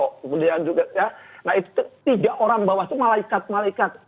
kemudian juga ya nah itu tiga orang bawah itu malaikat malaikat